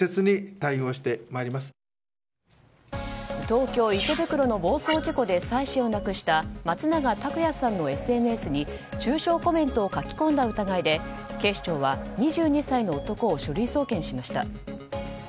東京・池袋の暴走事故で妻子を亡くした松永拓也さんのＳＮＳに書き込んだ疑いで警視庁は２２歳の男を書類送検しました。